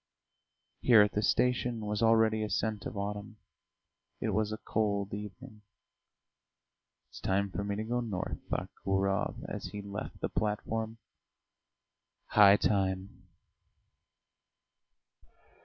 Here at the station was already a scent of autumn; it was a cold evening. "It's time for me to go north," thought Gurov as he left the platform. "High time!"